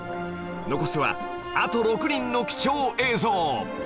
残すはあと６人の貴重映像。